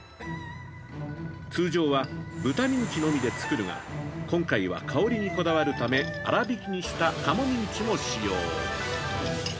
通常は、豚ミンチのみで作るが、今回は香りにこだわるため、粗びきにした鴨ミンチも使用。